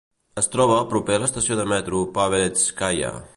Es troba proper a l'estació de metro Pavelétskaia.